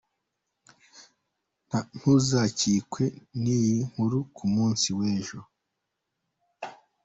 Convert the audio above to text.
Ntuzacikwe n’iyi nkuru ku munsi w’ejo.